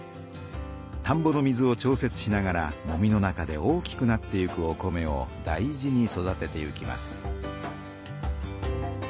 たんぼの水を調節しながらもみの中で大きくなっていくお米を大事に育てていきます。